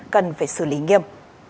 cần phải xử lý nghiêm